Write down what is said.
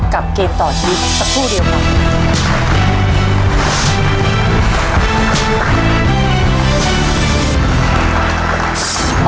เกมต่อชีวิตสักครู่เดียวครับ